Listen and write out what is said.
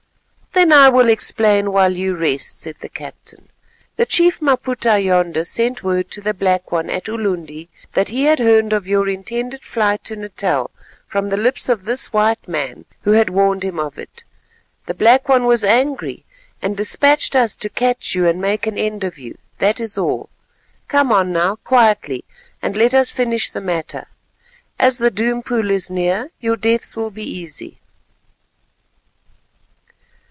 "Then I will explain while you rest," said the captain. "The Chief Maputa yonder sent word to the Black One at Ulundi that he had learned of your intended flight to Natal from the lips of this white man, who had warned him of it. The Black One was angry, and despatched us to catch you and make an end of you. That is all. Come on now, quietly, and let us finish the matter. As the Doom Pool is near, your deaths will be easy."